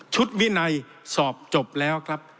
วินัยสอบจบแล้วครับ